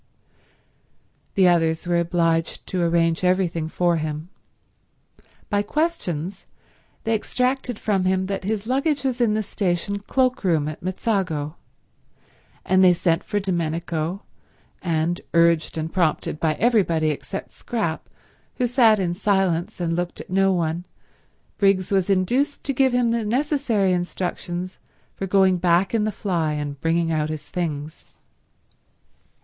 The others were obliged to arrange everything for him. By questions they extracted from him that his luggage was in the station cloakroom at Mezzago, and they sent for Domenico, and, urged and prompted by everybody except Scrap, who sat in silence and looked at no one, Briggs was induced to give him the necessary instructions for going back in the fly and bringing out his things.